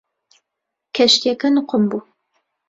کەشتیەکە نوقم بوو.